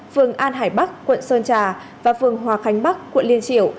phường an hải bắc quận sơn trà và phường hòa khánh bắc quận liên triểu